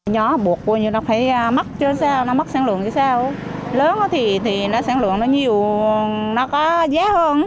nó buộc vô như nó phải mất chứ sao nó mất sản lượng chứ sao lớn thì nó sản lượng nó nhiều nó có giá hơn